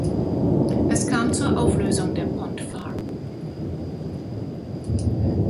Es kam zur Auflösung der „Pond Farm“.